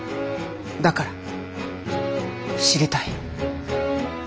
だから知りたい。